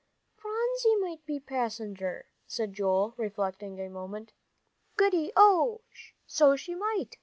"Phronsie might be passenger," said David, reflecting a moment. "Goody, oh, so she might!"